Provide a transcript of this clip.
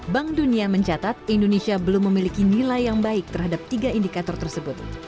bank dunia mencatat indonesia belum memiliki nilai yang baik terhadap tiga indikator tersebut